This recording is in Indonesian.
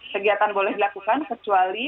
kegiatan boleh dilakukan kecuali